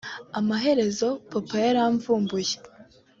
Amaherezo papa yaramvumbuye